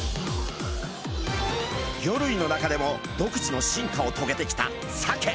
魚類の中でも独自の進化をとげてきたサケ。